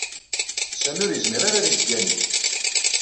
Sami ur yezmir-ara ad yeggani.